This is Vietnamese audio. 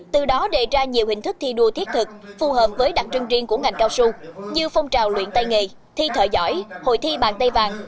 từ đó đề ra nhiều hình thức thi đua thiết thực phù hợp với đặc trưng riêng của ngành cao su như phong trào luyện tay nghề thi thợ giỏi hội thi bàn tay vàng